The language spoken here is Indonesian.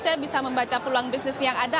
saya bisa membaca peluang bisnis yang ada